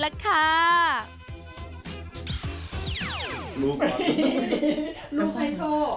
ลูกใครโชว์